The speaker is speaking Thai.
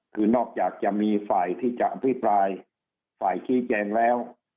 คือนอกจากจะมีฝ่ายที่จะอภิปรายฝ่ายชี้แจงแล้ว